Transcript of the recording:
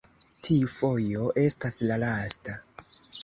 tiu fojo estas la lasta!